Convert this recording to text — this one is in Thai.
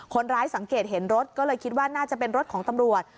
สังเกตเห็นรถก็เลยคิดว่าน่าจะเป็นรถของตำรวจ